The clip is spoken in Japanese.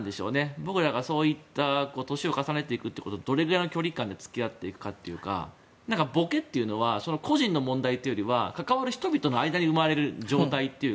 僕らが年を重ねていくこととどれくらいの距離感で付き合っていくかというかぼけっていうのは個人の問題というよりは関わる人々の間に生まれる状態というか。